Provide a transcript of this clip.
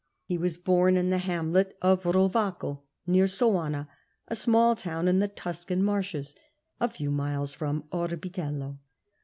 He was bom in the hamlet of Bovaco near Soana, a small town in the Tuscan marshes, a few miles from Orbitello.